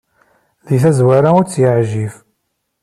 Deg tazwara, ur tt-yeɛjib.